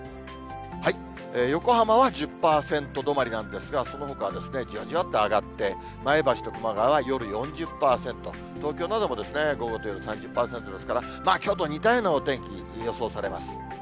横浜は１０％止まりなんですが、そのほかはじわじわっと上がって、前橋と熊谷は夜４０％、東京なども午後と夜３０％ですから、きょうと似たようなお天気、予想されます。